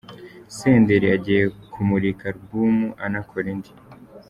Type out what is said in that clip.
Senderi agiye kumurika Alubumu anakora indi